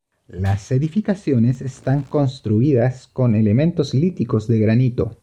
Las edificaciones están construidas con elementos líticos de granito.